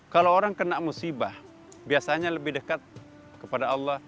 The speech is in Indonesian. kalau orang kena musibah biasanya lebih dekat kepada allah